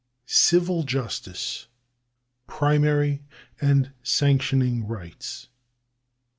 Civil Justice ; Primary and Sanctioning Rights.